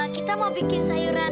kita mau bikin sayuran